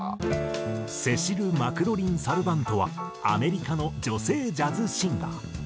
セシル・マクロリン・サルヴァントはアメリカの女性ジャズシンガー。